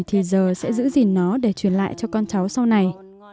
thì giờ sẽ giữ gìn nó để truyền lại cho con cháu sau này